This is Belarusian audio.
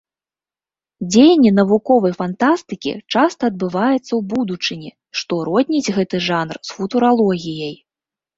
Дзеянне навуковай фантастыкі часта адбываецца ў будучыні, што родніць гэты жанр з футуралогіяй.